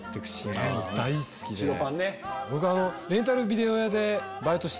大好きで。